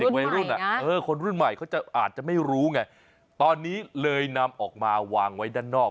วัยรุ่นอ่ะเออคนรุ่นใหม่เขาจะอาจจะไม่รู้ไงตอนนี้เลยนำออกมาวางไว้ด้านนอก